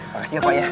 makasih pak ya